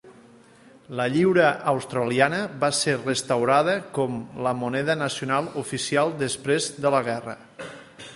La lliura australiana va ser restaurada com la moneda nacional oficial després de la guerra.